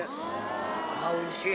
あおいしい。